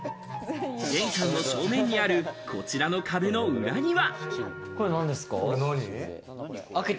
玄関の正面にある、こちらの壁の裏には。